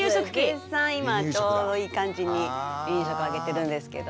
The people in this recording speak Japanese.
今ちょうどいい感じに離乳食をあげてるんですけど。